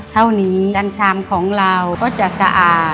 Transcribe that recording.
เท่านี้กัญชาของเราก็จะสะอาด